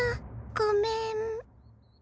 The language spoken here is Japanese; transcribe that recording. ごめん。